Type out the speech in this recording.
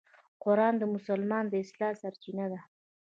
قرآن د مسلمان د اصلاح سرچینه ده.